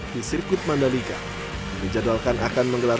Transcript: di sirkuit mandalika dijadwalkan akan menggelar